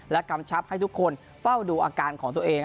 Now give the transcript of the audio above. กำชับให้ทุกคนเฝ้าดูอาการของตัวเอง